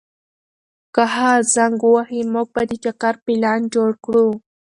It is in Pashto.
که هغه زنګ ووهي، موږ به د چکر پلان جوړ کړو.